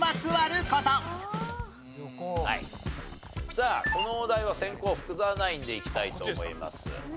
さあこのお題は先攻福澤ナインでいきたいと思います。